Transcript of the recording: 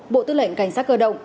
bộ tư lệnh cảnh sát cơ động